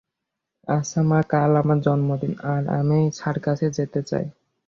আচ্ছা মা, কাল আমার জন্মদিন, আর আমি সার্কাসে যেতে চাই।